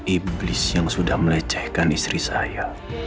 iblis yang sudah melecehkan istri saya